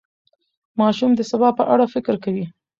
ماشوم د سبا په اړه فکر کوي.